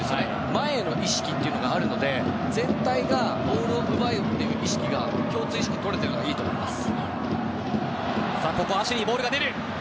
前の意識というのがあるので全体でボールを奪うという共通意識がとれているのはいいと思います。